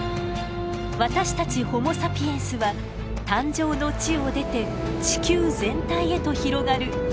私たちホモ・サピエンスは誕生の地を出て地球全体へと広がる大冒険に挑みました。